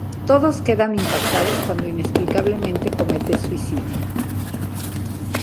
Todos quedan impactados cuando inexplicablemente comete suicidio.